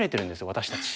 私たち。